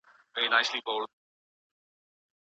د ډیپلوماسۍ له لاري د زده کړي حقونه نه تایید کیږي.